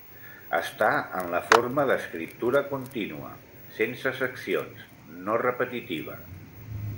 Està en la forma d'escriptura contínua, sense seccions, no repetitiva.